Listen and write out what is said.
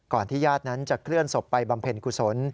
ที่ญาตินั้นจะเคลื่อนศพไปบำเพ็ญกุศล